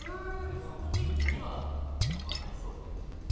でも２は分かりそうだよ。